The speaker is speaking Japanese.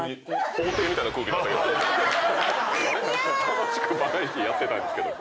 楽しくバラエティーやってたけど。